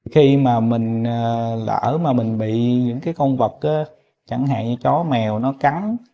khi mà mình lỡ mà mình bị những cái con vật chẳng hạn như chó mèo nó cắn